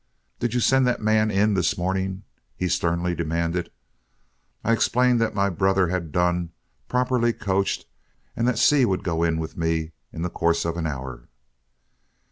"Did you send that man in this morning?" he sternly demanded. I explained that my brother had done, properly coached, and that Seay would go in with me in the course of an hour.